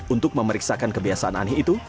untuk memeriksakan kebiasaan aneh itu